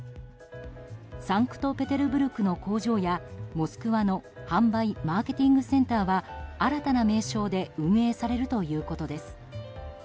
サンクトペテルブルクの工場やモスクワの販売・マーケティングセンターは新たな名称で運営されるということです。